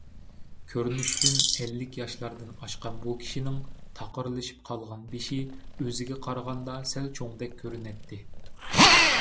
كۆرۈنۈشىدىن ئەللىك ياشلاردىن ئاشقان بۇ كىشىنىڭ تاقىرلىشىپ قالغان بېشى ئۆزىگە قارىغاندا سەل چوڭدەك كۆرۈنەتتى.